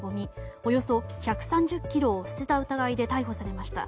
およそ１３０ｋｇを捨てた疑いで逮捕されました。